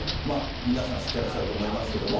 皆さん、知ってらっしゃると思いますけども。